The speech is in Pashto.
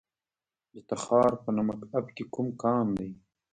د تخار په نمک اب کې کوم کان دی؟